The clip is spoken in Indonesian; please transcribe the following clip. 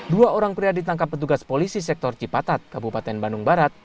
dua orang pria ditangkap petugas polisi sektor cipatat kabupaten bandung barat